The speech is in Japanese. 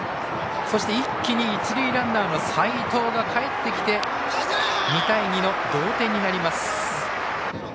そして、一気に一塁ランナーの齋藤がかえってきて２対２の同点になります。